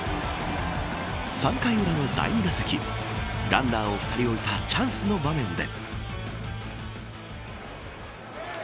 ３回裏の第２打席ランナーを２人置いたチャンスの場面で。